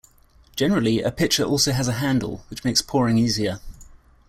Generally a pitcher also has a handle, which makes pouring easier.